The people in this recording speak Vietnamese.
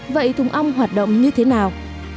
vậy thùng ong hoạt động như thế nào